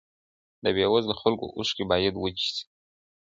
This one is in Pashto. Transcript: د بې وزلو خلګو اوښکې باید وچې سي.